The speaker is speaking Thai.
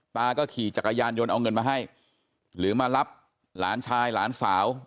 ขี่จักรยานยนต์เอาเงินมาให้หรือมารับหลานชายหลานสาว